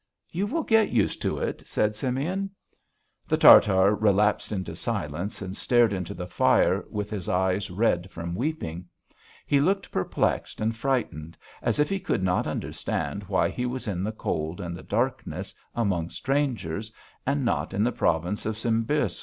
"You will get used to it," said Simeon. The Tartar relapsed into silence and stared into the fire with his eyes red from weeping; he looked perplexed and frightened, as if he could not understand why he was in the cold and the darkness, among strangers, and not in the province of Simbirsk.